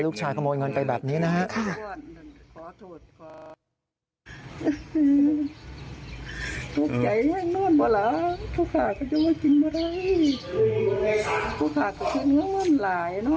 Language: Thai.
ลูกชายขโมยเงินไปแบบนี้นะฮะ